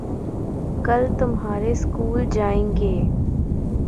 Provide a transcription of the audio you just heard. کل تمہارے سکول جائیں گے